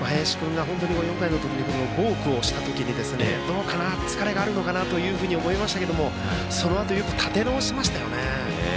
４回に林君がボークをした時に、どうかな疲れがあるのかなというふうに思いましたけどそのあと、よく立て直しましたね。